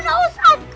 aku gak usah jauh